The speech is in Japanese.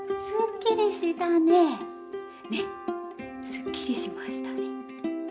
すっきりしましたね！